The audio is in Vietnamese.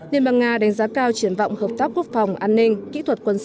liên bang nga đánh giá cao triển vọng hợp tác quốc phòng an ninh kỹ thuật quân sự giữa hai nước